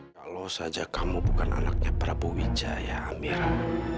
kalo saja kamu bukan anaknya prabu wijaya amirah